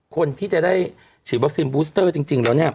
คนที่จะได้ฉีดวัคซีนบูสเตอร์จริงแล้วเนี่ย